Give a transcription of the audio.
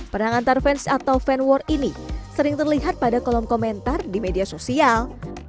perang antar fans atau fan war ini sering terlihat pada kolom komentar di media sosial